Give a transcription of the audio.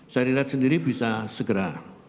seri red sendiri bisa segera